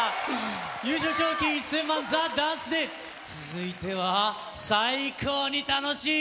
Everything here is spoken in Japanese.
優勝賞金１０００万、ＴＨＥＤＡＮＣＥＤＡＹ、続いては最高に楽しい